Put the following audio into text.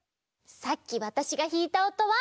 さっきわたしがひいたおとは